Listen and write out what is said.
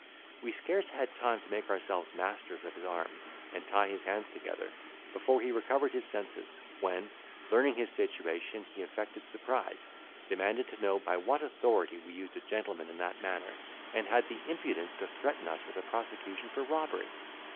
We scarce had time to make ourselves masters of his arms, and tie his hands together, before he recovered his senses, when, learning his situation he affected surprise, demanded to know by what authority we used a gentleman in that manner, and had the impudence to threaten us with a prosecution for robbery.